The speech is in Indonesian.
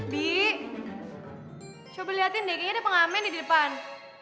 bi coba liatin deh kayaknya ini pengamen di depan